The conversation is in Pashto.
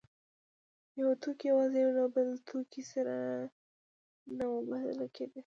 یو توکی یوازې له یو بل توکي سره نه مبادله کېده